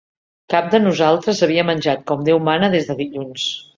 Cap de nosaltres havia menjat com Déu mana des del dilluns